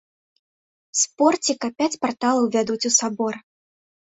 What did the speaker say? З порціка пяць парталаў вядуць у сабор.